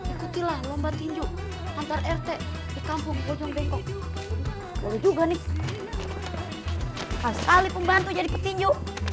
ikutilah lomba tinju antar rt di kampung gojong bengkok juga nih sekali pembantu jadi petinju